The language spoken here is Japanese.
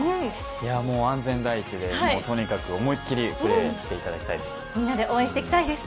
安全第一で、とにかく思いっきりプレーしていただきたいです。